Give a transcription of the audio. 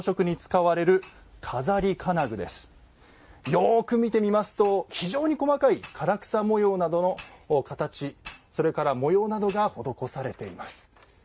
よく見てみますと非常に細かい唐草模様などの形それから模様などが施されています。